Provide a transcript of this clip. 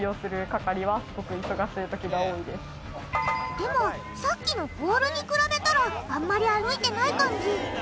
でもさっきのホールに比べたらあんまり歩いてない感じ。